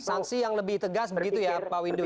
sanksi yang lebih tegas begitu ya pak windu